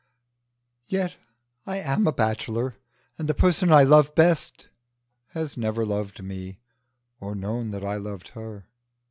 Yet I am a bachelor, and the person I love best has never loved me, or known that I loved her.